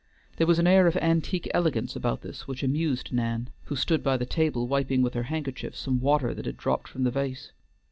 There was an air of antique elegance about this which amused Nan, who stood by the table wiping with her handkerchief some water that had dropped from the vase.